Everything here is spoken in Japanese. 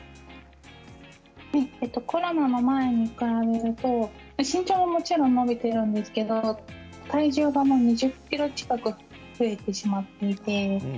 コロナの前に比べると身長はもちろん伸びているんですけれど体重が２０ｋｇ近く増えてしまっていて。